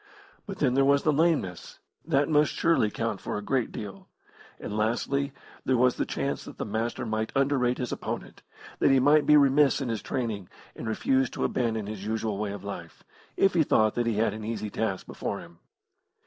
But then there was the lameness; that must surely count for a great deal. And, lastly, there was the chance that the Master might underrate his opponent, that he might be remiss in his training, and refuse to abandon his usual way of life, if he thought that he had an easy task before him.